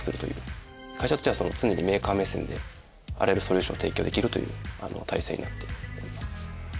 会社としては常にメーカー目線であらゆるソリューションを提供できるという体制になっております。